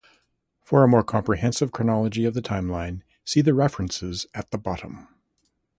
For a more comprehensive chronology of the timeline, see the references at the bottom.